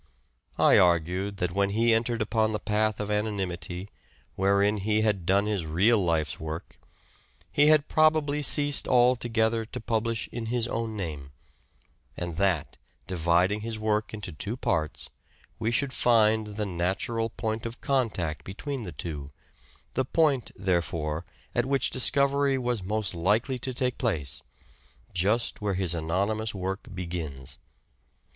I argued that when he entered upon the path of anonymity, wherein he had done his real life's work, he had probably ceased altogether to publish in his own name ; and that, dividing his work into two parts, we should find the natural point of contact between the two, the point, therefore, at which discovery was most likely to take place, just where his anonymous work begins.